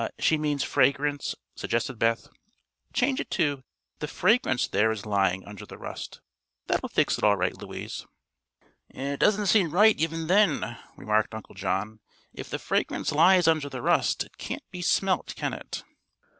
"She means 'fragrance,'" suggested Beth. "Change it to: 'The fragrance there is lying under the rust.' That'll fix it all right, Louise." "It doesn't seem right, even then," remarked Uncle John. "If the fragrance lies under the rust, it can't be smelt, can it?"